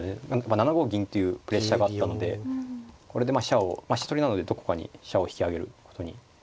７五銀というプレッシャーがあったのでこれでまあ飛車を飛車取りなのでどこかに飛車を引き揚げることに。